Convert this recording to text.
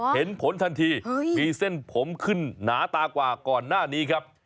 เห็นผลทันทีมีเส้นผมขึ้นหนาตากว่าก่อนหน้านี้ครับ